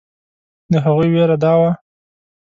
د هغوی وېره دا وه.